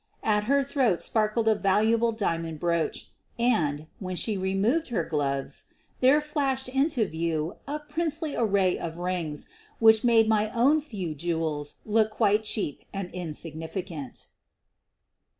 At her throat sparkled a valuable diamond brooch, and, when she removed her gloves, there flashed into view a princely array of rings which made my own few jewels look quite cheap and insignificant.